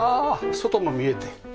外も見えて。